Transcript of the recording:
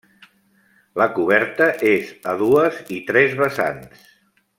La coberta és a dues i tres vessants.